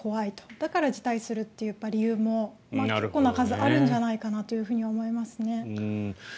だから辞退するという理由も結構な数、あるんじゃないかと思いますね。